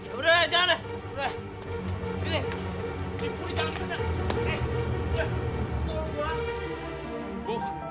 udah jangan deh